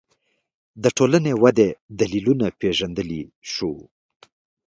د ټولنې ودې دلیلونه پېژندلی شو